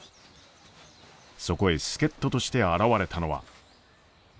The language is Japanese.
そこへ助っ人として現れたのは。